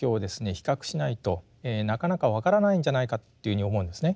比較しないとなかなか分からないんじゃないかというふうに思うんですね。